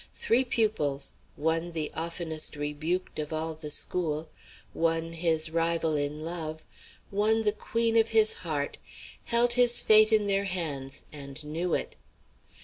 Three pupils, one the oftenest rebuked of all the school, one his rival in love, one the queen of his heart, held his fate in their hands and knew it.